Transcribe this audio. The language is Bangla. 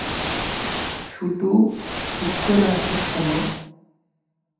শুটু, চুপ করে আছিস কেন?